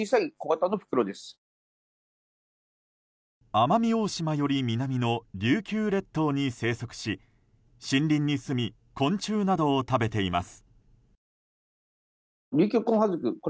奄美大島より南の琉球列島に生息し森林にすみ昆虫などを食べています。